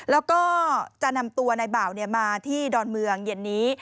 แล้วก็จะนำตัวนายบ่าวมาที่ดอนเมืองเย็นนี้